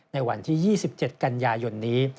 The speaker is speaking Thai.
ในวันที่๒๗กันยายนนี้